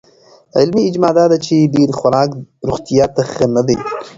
علمي اجماع دا ده چې ډېر خوراک روغتیا ته ښه نه دی.